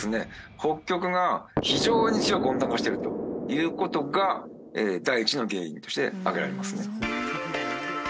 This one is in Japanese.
北極が非常に強く温暖化しているという事が第一の原因として挙げられますね。